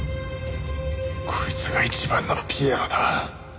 こいつが一番のピエロだ。